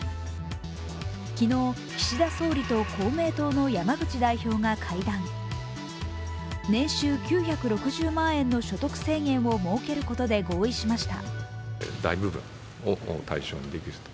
昨日、岸田総理と公明党の山口代表が会談、年収９６０万円の所得制限を設けることで合意しました。